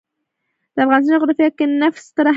د افغانستان جغرافیه کې نفت ستر اهمیت لري.